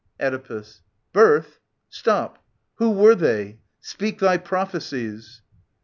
Oedipus. Birth ?... Stop ! Who were they ? Speak thy prophecies.